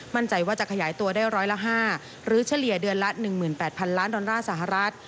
มั่นใจว่าจะขยายตัวได้ร้อยละ๕หรือเฉลี่ยเดือนละ๑๘๐๐๐ล้านดอลลาร์สหรัฐ